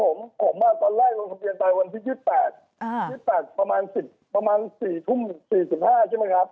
ผมว่าตอนแรกวงสัมเกียรติวันที่๒๘ประมาณ๑๐ประมาณ๔ทุ่ม๔๕ใช่ไหมครับ